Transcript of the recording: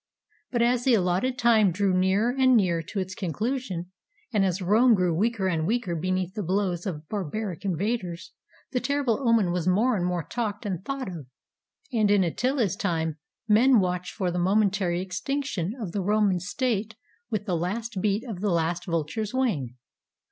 But as the allotted time drew nearer and nearer to its conclusion, and as Rome grew weaker and weaker beneath the blows of barbaric invaders, the terrible omen was more and more talked and thought of, and in 541 ROME Attila's time men watched for the momentary extinc tion of the Roman state with the last beat of the last vulture's wing.